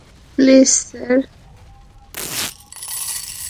Please, sir.